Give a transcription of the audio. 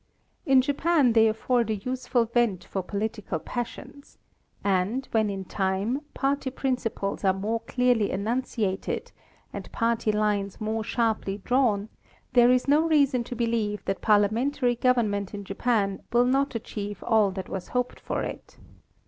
In Japan they afford a useful vent for political passions, and when, in time, party principles are more clearly enunciated and party lines more sharply drawn, there is no reason to believe that parlia mentary government in Japan will not achieve all that was hoped for it.